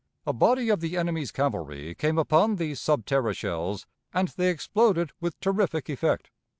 A body of the enemy's cavalry came upon these sub terra shells, and they exploded with terrific effect.